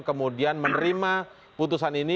kemudian menerima putusan ini